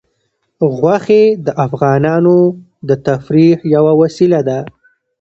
غوښې د افغانانو د تفریح یوه وسیله ده.